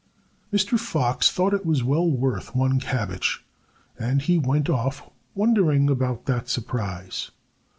Mr. Fox thought it was well worth one cabbage. And he went off wondering about that surprise.